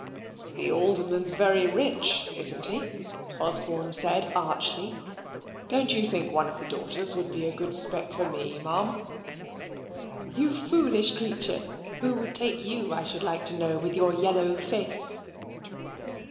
"The Alderman's very rich, isn't he?" Osborne said archly. "Don't you think one of the daughters would be a good spec for me, Ma'am?" "You foolish creature! Who would take you, I should like to know, with your yellow face?"